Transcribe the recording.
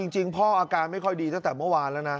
จริงพ่ออาการไม่ค่อยดีตั้งแต่เมื่อวานแล้วนะ